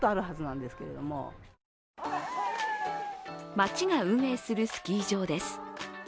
町が運営するスキー場です。